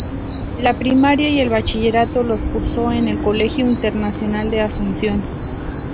La primaria y el bachillerato los cursó en el Colegio Internacional de Asunción.